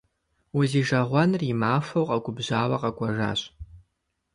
Узижэгъуэныр и махуэу къэгубжьауэ къэкӏуэжащ.